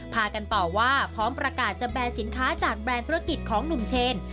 พากันต่อว่าพร้อมประกาศจะแบร์สินค้าจากแบรนด์ธุรกิจของหนุ่มเชน